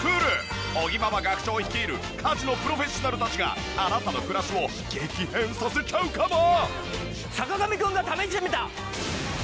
尾木ママ学長率いる家事のプロフェッショナルたちがあなたの暮らしを激変させちゃうかも！？